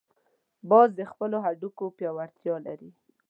باز د خپلو هډوکو پیاوړتیا لري